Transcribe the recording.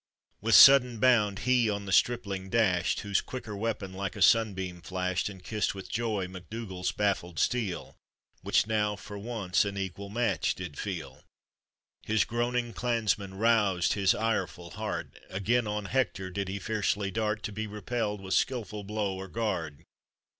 * With sudden bound he on the stripling dashed, "Whose quicker weapon like a sunbeam flashed, And kissed with joy MacDougall's baffled steel, Which now, for once, an equal match did feel. His groaning; clansmen roused his ireful heart, Again on Hector did he fiercely dart, To be repelled with skillful blow or guard.